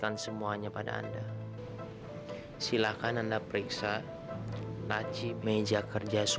ketangan putri saya clio